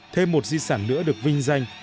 thêm một di sản nữa được vinh danh